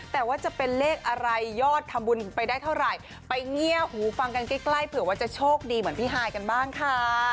แต่ว่าจะเป็นเลขอะไรยอดทำบุญไปได้เท่าไหร่ไปเงียบหูฟังกันใกล้เผื่อว่าจะโชคดีเหมือนพี่ฮายกันบ้างค่ะ